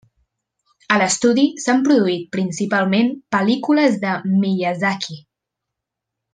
A l’estudi s’han produït, principalment, pel·lícules de Miyazaki.